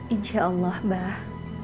insya allah bah